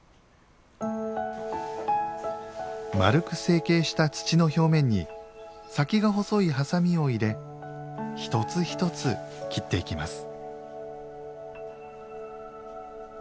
丸く成形した土の表面に先が細いハサミを入れひとつひとつ切っていきます。